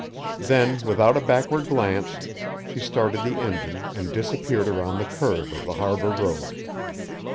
Then, without a backward glance, she started the engine and disappeared around the curve of the Harbor Road.